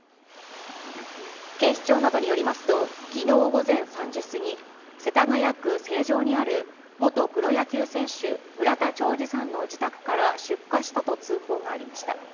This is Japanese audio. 警視庁などによりますと、きのう午前３時過ぎ、世田谷区成城にある元プロ野球選手、村田兆治さんの自宅から出火したと通報がありました。